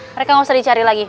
mereka nggak usah dicari lagi